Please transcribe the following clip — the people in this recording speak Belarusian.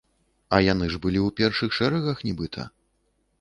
А яны ж былі ў першых шэрагах нібыта.